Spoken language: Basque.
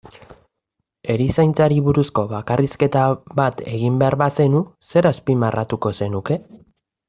Erizaintzari buruzko bakarrizketa bat egin behar bazenu, zer azpimarratuko zenuke?